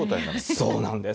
そうなんです。